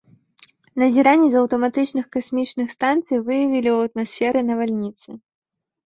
Назіранні з аўтаматычных касмічных станцый выявілі ў атмасферы навальніцы.